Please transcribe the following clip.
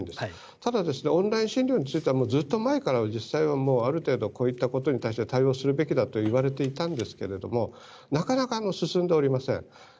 ただ、オンライン診療についてはずっと前から実際はある程度こういったことに対して対応するべきだといわれていたんですがなかなか進んでおりません。